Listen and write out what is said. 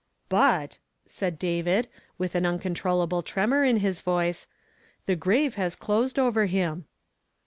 "But," said David, with an uncontrollable tremor in his voice, ' Mie grave has closed over him."